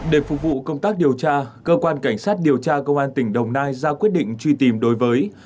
để phục vụ công tác điều tra cơ quan cảnh sát điều tra công an tỉnh đồng nai ra quyết định truy tìm đối với